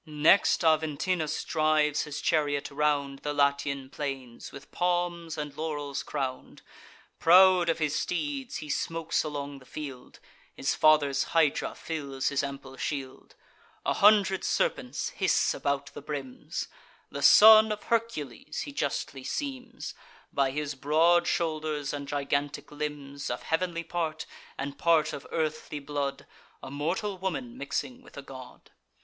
Next Aventinus drives his chariot round The Latian plains, with palms and laurels crown'd. Proud of his steeds, he smokes along the field; His father's hydra fills his ample shield: A hundred serpents hiss about the brims; The son of Hercules he justly seems By his broad shoulders and gigantic limbs; Of heav'nly part, and part of earthly blood, A mortal woman mixing with a god.